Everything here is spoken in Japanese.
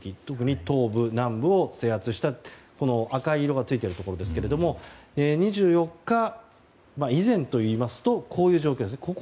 特に東部、南部を制圧した赤色がついているところですが２４日以前といいますとこういう状況です。